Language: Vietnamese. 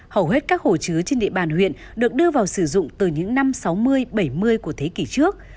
hầu hết các hồ chứa trên địa bàn huyện được đưa vào sử dụng từ những năm sáu mươi bảy mươi của thế kỷ trước